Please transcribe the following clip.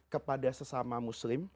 kepada sesama muslim